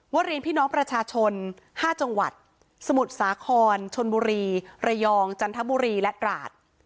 เรียนพี่น้องประชาชน๕จังหวัดสมุทรสาครชนบุรีระยองจันทบุรีและตราด